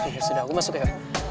ya sudah aku masuk ya